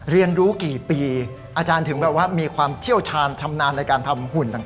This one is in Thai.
เรียนรู้กี่ปีอาจารย์ถึงแบบว่ามีความเชี่ยวชาญชำนาญในการทำหุ่นต่าง